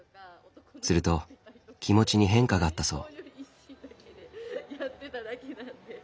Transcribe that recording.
すると気持ちに変化があったそう。